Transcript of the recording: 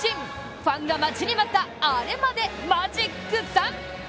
ファンが待ちに待った「アレ」までマジック３。